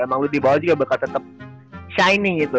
emang lu dibawah juga bakal tetep shining gitu